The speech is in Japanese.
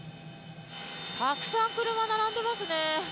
たくさん車、並んでますね。